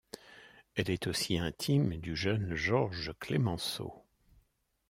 Elle est aussi intime du jeune Georges Clémenceau.